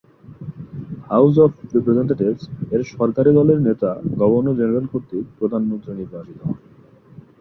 House of রেপ্রেজেন্টেটিভস-এর সরকারি দলের নেতা গভর্নর জেনারেল কর্তৃক প্রধানমন্ত্রী নির্বাচিত হন।